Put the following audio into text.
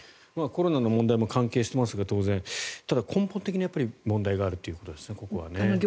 コロナの問題も当然関係していますがただ、根本的な問題があるということですね。